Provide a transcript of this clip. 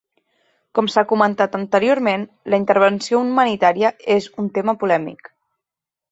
Com s'ha comentat anteriorment, la intervenció humanitària és un tema polèmic.